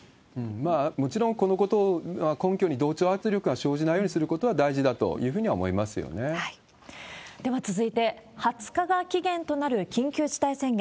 もちろん、このことを根拠に同調圧力が生じないようにすることが大事だといでは続いて、２０日が期限となる緊急事態宣言。